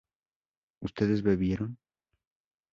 ¿ustedes bebieron?